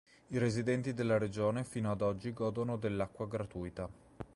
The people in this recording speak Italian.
I residenti della regione fino ad oggi godono dell'acqua gratuita.